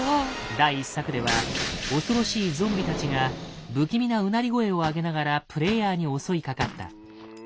第１作では恐ろしいゾンビたちが不気味なうなり声を上げながらプレイヤーに襲いかかった。